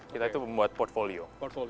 kita itu membuat portfolio